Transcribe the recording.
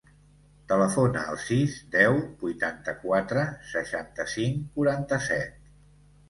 Telefona al sis, deu, vuitanta-quatre, seixanta-cinc, quaranta-set.